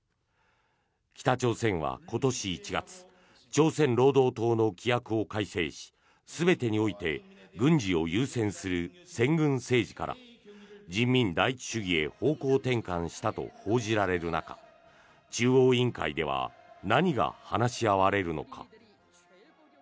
北朝鮮は今年１月朝鮮労働党の規約を改正し全てにおいて軍事を優先する先軍政治から人民第一主義へ方向転換したと報じられる中中央委員会では何が話し合われるのか。